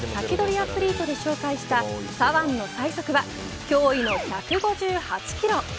アツリートで紹介した左腕の最速は驚異の１５８キロ。